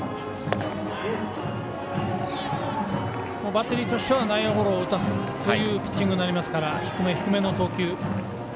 バッテリーとしては内野ゴロを打たせるピッチングになりますから低め低めの投球。